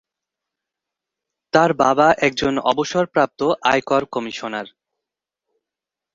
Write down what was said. তার বাবা একজন অবসরপ্রাপ্ত আয়কর কমিশনার।